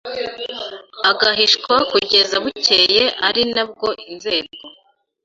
agahishwa kugeza bukeye ari na bwo inzego